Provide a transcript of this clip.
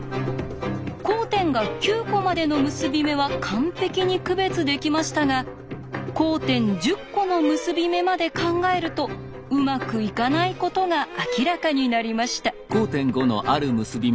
交点が９コまでの結び目は完璧に区別できましたが交点１０コの結び目まで考えるとうまくいかないことが明らかになりました。